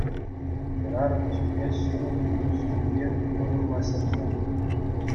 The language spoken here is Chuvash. Хӗрарӑм ҫӳҫе ҫунӑ чухне химипе усӑ курма сӗнмен.